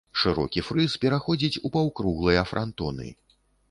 Шырокі фрыз пераходзіць у паўкруглыя франтоны.